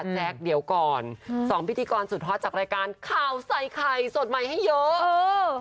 แจ๊คเดี๋ยวก่อนสองพิธีกรสุดฮอตจากรายการข่าวใส่ไข่สดใหม่ให้เยอะเออ